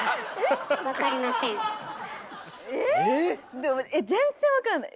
でもえっ全然分かんない。